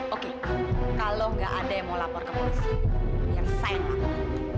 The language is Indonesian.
oke kalau nggak ada yang mau lapor ke polisi biar saya yang lapor